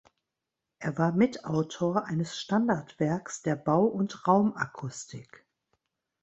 Er war Mitautor eines Standardwerks der Bau- und Raumakustik.